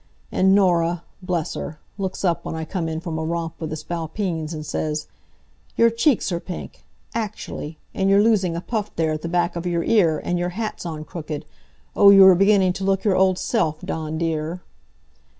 And Norah bless her! looks up when I come in from a romp with the Spalpeens and says: "Your cheeks are pink! Actually! And you're losing a puff there at the back of your ear, and your hat's on crooked. Oh, you are beginning to look your old self, Dawn dear!"